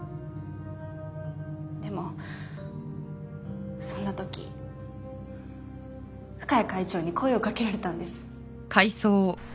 でもそんな時深谷会長に声をかけられたんです。